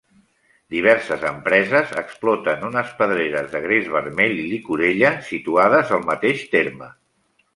Diverses empreses exploten unes pedreres de gres vermell i llicorella, situades al mateix terme.